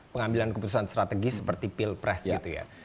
pengambilan keputusan strategis seperti pilpres gitu ya